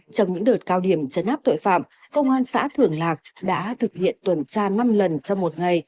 trong những đợt cao điểm chấn áp tội phạm công an xã thường lạc đã thực hiện tuần tra năm lần trong một ngày